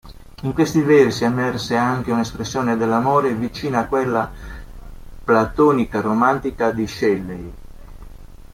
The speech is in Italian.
In questi versi emerse anche una espressione dell'amore vicina a quella platonica-romantica di Shelley.